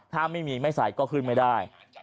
ถ้าไม่มีไม่ใส่ก็ขึ้นไม่ได้